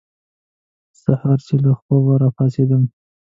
سهار چې له خوبه را پاڅېدم.